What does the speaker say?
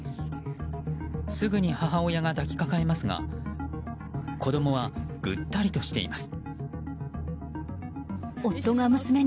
すぐに母親が抱きかかえますが子供はぐったりとしています。